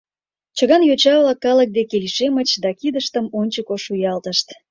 Чыган йоча-влак калык деке лишемыч да кидыштым ончыко шуялтышт: